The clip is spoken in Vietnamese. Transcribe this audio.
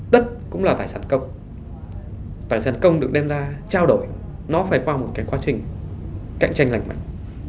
đất cũng là tài sản công tài sản công được đem ra trao đổi nó phải qua một cái quá trình cạnh tranh lành mạnh